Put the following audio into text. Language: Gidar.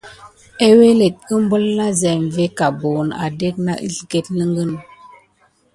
Əwelet umbul na zenve ka an buwune adek əsleget ləŋgə.